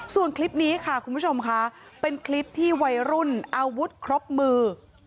ส่วนคลิปนี้ค่ะคุณผู้ชมค่ะเป็นคลิปที่วัยรุ่นอาวุธครบมือ